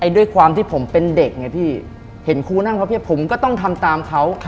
ด้วยความที่ผมเป็นเด็กไงพี่เห็นครูนั่งพับเพียบผมก็ต้องทำตามเขา